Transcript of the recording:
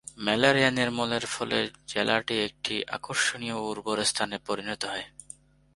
Malaria নির্মূলের ফলে জেলাটি একটি আকর্ষণীয় ও উর্বর স্থানে পরিণত হয়।